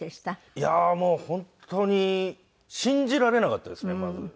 いやもう本当に信じられなかったですねまず。